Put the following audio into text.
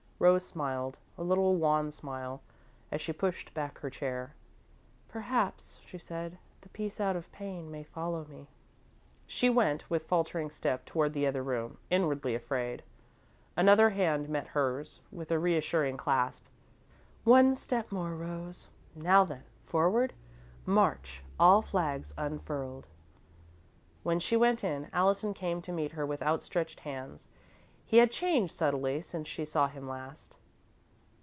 Rose smiled a little wan smile as she pushed back her chair. "Perhaps," she said, "the 'peace out of pain' may follow me." She went, with faltering step, toward the other room, inwardly afraid. Another hand met hers, with a reassuring clasp. "One step more, Rose. Now then, forward, march, all flags unfurled." When she went in, Allison came to meet her with outstretched hands. He had changed subtly, since she saw him last.